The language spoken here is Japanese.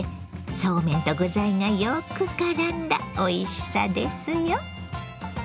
そうめんと具材がよくからんだおいしさですよ。